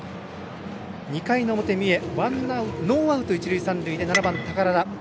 ２回の表、三重ノーアウト、一塁三塁で７番寳田。